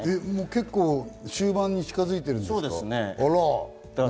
結構、終盤に近づいているんですか？